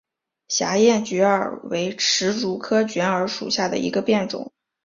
狭叶卷耳为石竹科卷耳属下的一个变种。